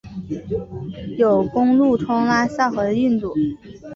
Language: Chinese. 有公路通拉萨和印度。